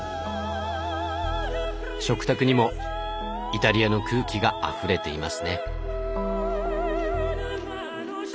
食卓にもイタリアの空気があふれていますね。